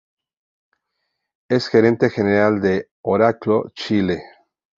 Es gerente general de Oracle Chile.